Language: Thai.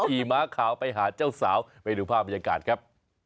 ขี่ม้าขาวไปหาเจ้าสาวไปดูภาพบรรยากาศครับ